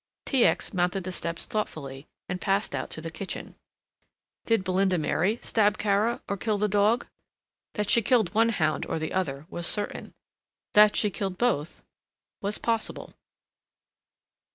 T. X. mounted the steps thoughtfully and passed out to the kitchen. Did Belinda Mary stab Kara or kill the dog? That she killed one hound or the other was certain. That she killed both was possible.